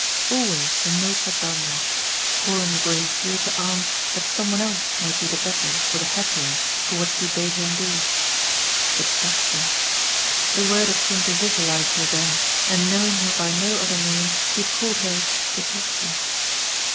Always her notes had done that calling the Gray Seal to arms that some one else might be the better or the happier for what she bade him do. The Tocsin! The word had seemed to visualise her then, and, knowing her by no other name, he had called her the Tocsin.